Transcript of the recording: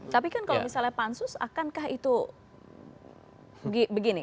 tapi kan kalau misalnya pansus akankah itu begini